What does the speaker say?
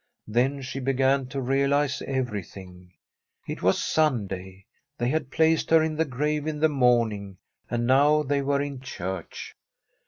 Then she began to realize everything. It was Sunday; they had placed her in the grave in the morn ing, and now they were in church.